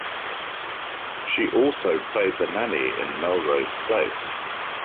She also played the nanny in "Melrose Place".